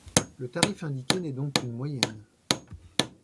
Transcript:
Le tarif indiqué n'est donc qu'une moyenne.